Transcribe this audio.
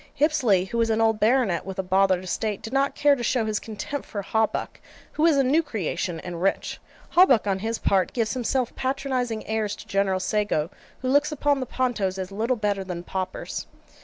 Hipsley, who is an old baronet, with a bothered estate, did not care to show his contempt for Hawbuck, who is a new creation, and rich. Hawbuck, on his part, gives himself patronizing airs to General Sago, who looks upon the Pontos as little better than paupers.